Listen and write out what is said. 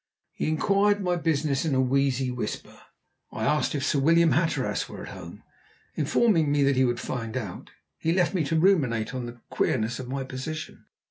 He inquired my business in a wheezy whisper. I asked if Sir William Hatteras were at home. Informing me that he would find out, he left me to ruminate on the queerness of my position.